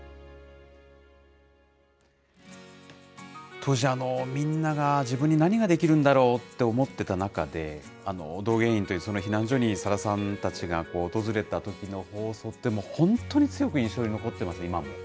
当時、みんなが、自分に何ができるんだろうって思ってた中で、洞源院というその避難所にさださんたちが訪れたときの放送って、本当に強く印象に残ってます、今も。